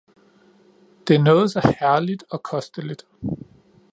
Det er noget så herligt og kosteligt